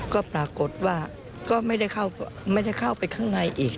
ก็ปรากฏว่าก็ไม่ได้เข้าไปข้างในอีก